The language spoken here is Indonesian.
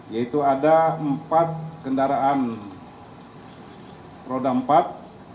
yaitu ada empat kendaraan roda empat